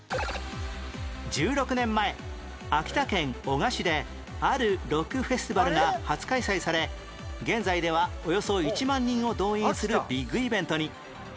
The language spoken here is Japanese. １６年前秋田県男鹿市であるロックフェスティバルが初開催され現在ではおよそ１万人を動員するビッグイベントに